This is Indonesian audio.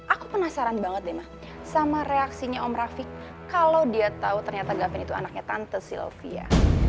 aku penasaran banget deh mak sama reaksinya om rafiq kalau dia tahu ternyata gavin itu anaknya tante sylvia